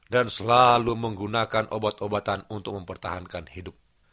dan selalu menggunakan obat obatan untuk mempertahankan hidup